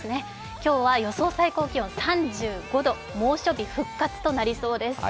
今日は予想最高気温３５度、猛暑日復活となりそうです。